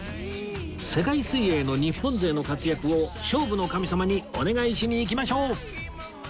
世界水泳の日本勢の活躍を勝負の神様にお願いしに行きましょう